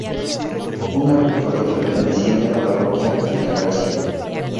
Una Rectoría perteneciente a la Parroquia Altagracia.